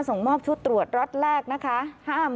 ส่งมอบชุดตรวจล็อตแรกนะคะ